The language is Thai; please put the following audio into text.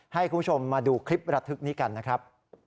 ให้คุณผู้ชมมาดูคลิประทึกนี้กันนะครับ